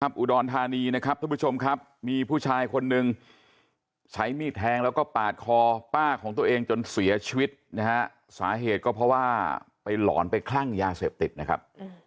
อุดรธานีนะครับทุกผู้ชมครับมีผู้ชายคนนึงใช้มีดแทงแล้วก็ปาดคอป้าของตัวเองจนเสียชีวิตนะฮะสาเหตุก็เพราะว่าไปหลอนไปคลั่งยาเสพติดนะครับ